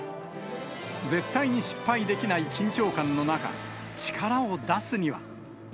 絶対に失敗できない緊張感の中、力を出すには。